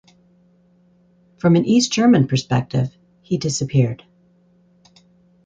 From an East German perspective he disappeared.